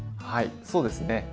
はいそうですね